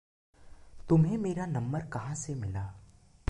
तुम्हें मेरा नंबर कहाँ से मिला?